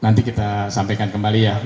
nanti kita sampaikan kembali ya